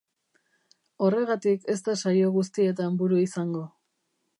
Horregatik ez da saio guztietan buru izango.